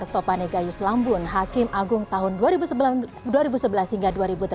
topane gayus lambun hakim agung tahun dua ribu sebelas hingga dua ribu delapan belas